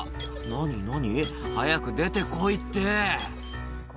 「何何？早く出てこいって」